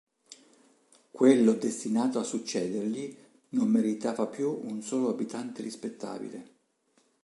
Quello destinato a succedergli non meritava più un solo abitante rispettabile.